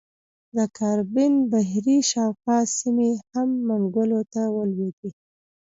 د کارابین بحیرې شاوخوا سیمې هم منګولو ته ولوېدې.